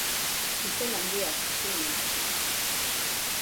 Izen handiak, zinez.